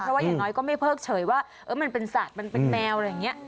เพราะว่าอย่างน้อยก็ไม่เพิกเฉยว่ามันเป็นสัตว์มันเป็นแมวอะไรอย่างนี้